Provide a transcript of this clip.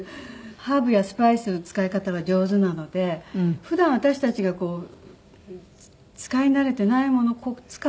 ハーブやスパイスの使い方が上手なので普段私たちがこう使い慣れていないものを使うきっかけ